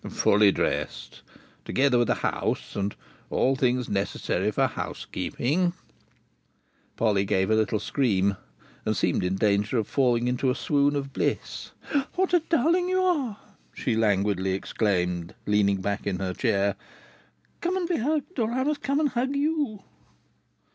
"Full dressed. Together with a house, and all things necessary for housekeeping—" Polly gave a little scream, and seemed in danger of falling into a swoon of bliss. "What a darling you are!" she languidly exclaimed, leaning back in her chair. "Come and be hugged, or I must come and hug you!"